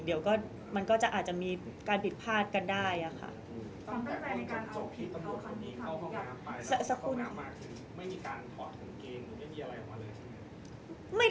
เดี๋ยวก็มันก็จะอาจจะมีการผิดพลาดกันได้ค่ะ